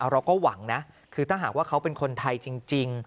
เราก็หวังนะคือถ้าหากว่าเขาเป็นคนไทยจริง